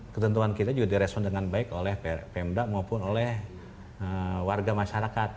ketentuan kita juga direspon dengan baik oleh pemda maupun oleh warga masyarakat